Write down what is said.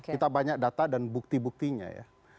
kita banyak data dan bukti buktinya ya